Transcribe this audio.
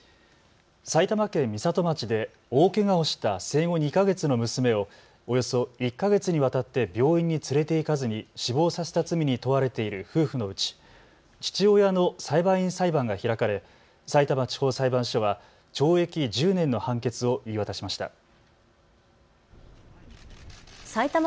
埼玉県美里町で大けがをした生後２か月の娘をおよそ１か月にわたって病院に連れて行かずに死亡させた罪に問われている夫婦のうち父親の裁判員裁判が開かれ、さいたま地方裁判所は懲役１０年の判決を言い渡しました。